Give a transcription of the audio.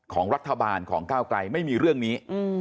ของรัฐบาลของก้าวไกลไม่มีเรื่องนี้